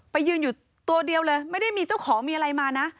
ยืนอยู่ตัวเดียวเลยไม่ได้มีเจ้าของมีอะไรมานะ